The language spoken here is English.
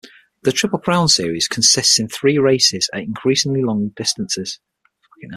The Triple Crown series consists in three races at increasingly longer distances.